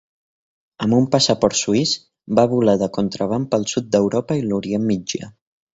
Amb un passaport suïs, va volar de contraban pel sud d'Europa i l'Orient Mitjà.